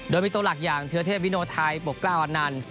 โดยมีตัวหลักอย่างเทือเทพวิโนไทยปกกล้าอันนันต์